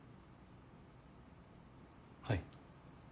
はい。